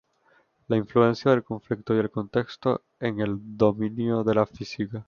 La influencia del conflicto y el contexto en el dominio de la física".